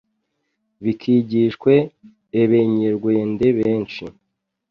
bikigishwe Ebenyerwende benshi,